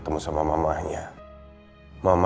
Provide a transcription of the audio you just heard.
tiara gak mau mencintai mama